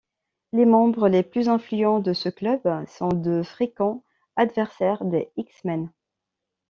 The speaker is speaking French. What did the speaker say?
Les membres les plus influents de ce club sont de fréquents adversaires des X-Men.